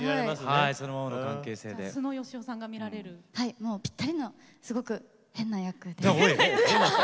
もうぴったりのすごく変な役です。